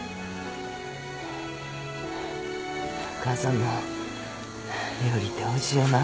お母さんの料理っておいしいよな。